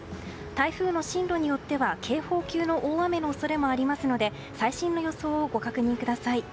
台風の進路によっては警報級の大雨の恐れもありますので最新の予想をご確認ください。